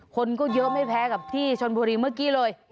คนก็เยอะไม่แพ้กับที่ชนบุรีเมื่อกี้เลย